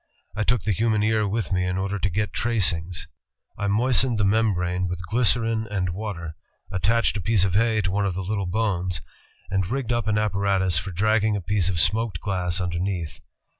I took the human ear with me in order to get tracings. I mois 236 INVENTIONS OF PRINTING AND COMMUNICATION tened the membrane with glycerine and water, attached a piece of hay to one of the Uttle bones, and rigged up an apparatus for dragging a piece of smoked glass under neath.